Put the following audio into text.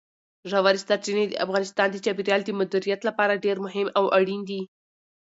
ژورې سرچینې د افغانستان د چاپیریال د مدیریت لپاره ډېر مهم او اړین دي.